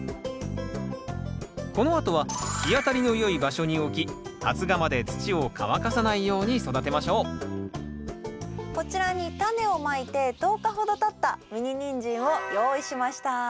このあとは日当たりのよい場所に置き発芽まで土を乾かさないように育てましょうこちらにタネをまいて１０日ほどたったミニニンジンを用意しました。